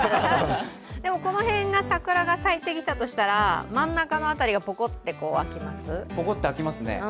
この辺が桜が咲いてきたとしたら真ん中の辺りがぽこっと飽きます？